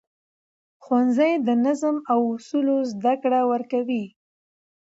ښوونځی د نظم او اصولو زده کړه ورکوي